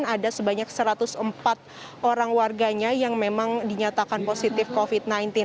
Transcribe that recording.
ada sebanyak satu ratus empat orang warganya yang memang dinyatakan positif covid sembilan belas